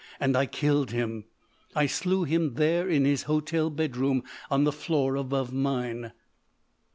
And I killed him—I slew him there in his hotel bedroom on the floor above mine!"